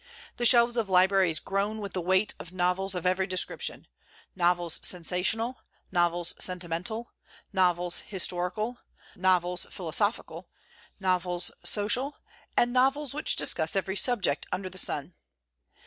The shelves of libraries groan with the weight of novels of every description, novels sensational, novels sentimental, novels historical, novels philosophical, novels social, and novels which discuss every subject under the sun.